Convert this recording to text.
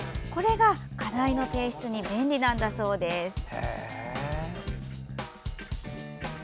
これが、課題の提出に便利なんだそうです。